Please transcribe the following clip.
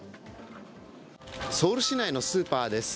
ソウル市内のスーパーです。